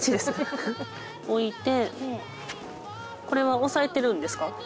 置いてこれは押さえてるんですか？